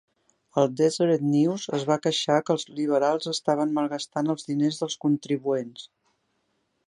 El "Deseret News" es va queixar que els liberals estaven malgastant els diners dels contribuents.